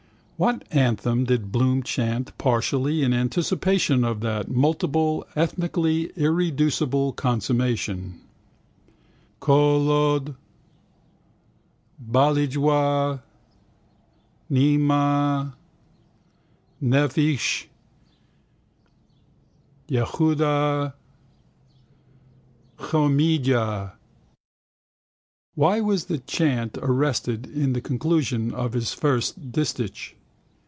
What anthem did Bloom chant partially in anticipation of that multiple, ethnically irreducible consummation? Kolod balejwaw pnimah Nefesch, jehudi, homijah. Why was the chant arrested at the conclusion of this first distich?